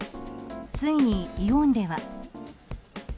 ついに、イオンでは。